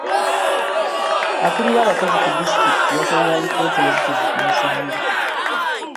Akulira abakozi ku disitulikiti yasabye alipoota enzijuvu ku musango.